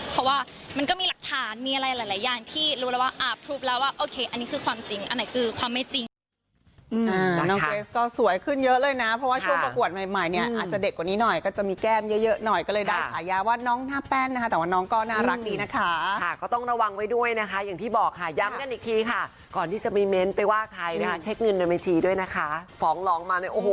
เพราะว่ามันก็มีหลักฐานมีอะไรหลายอย่างที่รู้แล้วว่าอาบทุปแล้วว่าโอเคอันนี้คือความจริงอันไหนคือความไม่จริง